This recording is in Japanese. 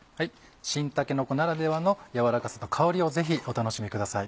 新たけのこならではのやわらかさと香りをぜひお楽しみください。